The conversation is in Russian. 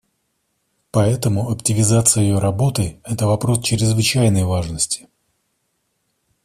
Поэтому активизации ее работы — это вопрос чрезвычайной важности.